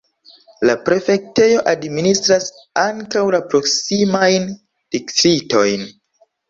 La prefektejo administras ankaŭ la proksimajn distriktojn.